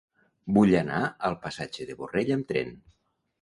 Vull anar al passatge de Borrell amb tren.